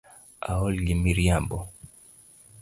Aol gi miriambo .